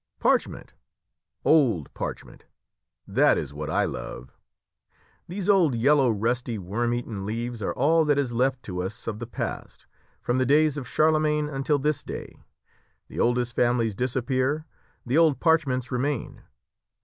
"Parchment old parchment that is what I love! These old yellow, rusty, worm eaten leaves are all that is left to us of the past, from the days of Charlemagne until this day. The oldest families disappear, the old parchments remain.